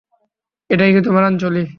এটাই কি তোমার আঞ্জলি?